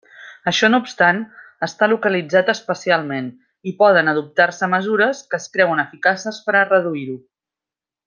Això no obstant, està localitzat espacialment i poden adoptar-se mesures que es creuen eficaces per a reduir-ho.